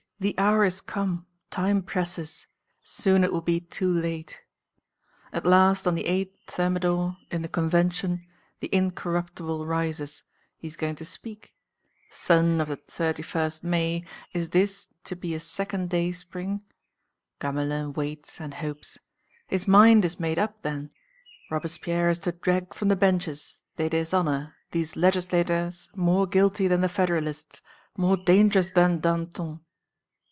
The hour is come, time presses,... soon it will be too late.... At last, on the 8 Thermidor, in the Convention, the Incorruptible rises, he is going to speak. Sun of the 31st May, is this to be a second day spring? Gamelin waits and hopes. His mind is made up then! Robespierre is to drag from the benches they dishonour these legislators more guilty than the federalists, more dangerous than Danton....